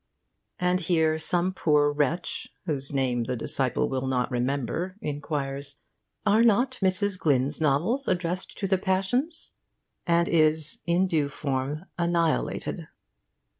And here some poor wretch (whose name the disciple will not remember) inquires: 'Are not Mrs. Glyn's novels addressed to the passions?' and is in due form annihilated.